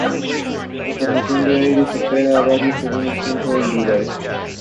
As the Sandman.